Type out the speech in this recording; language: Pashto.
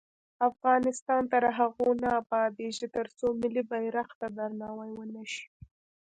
افغانستان تر هغو نه ابادیږي، ترڅو ملي بیرغ ته درناوی ونشي.